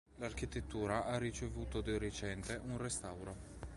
L'architettura ha ricevuto di recente un restauro.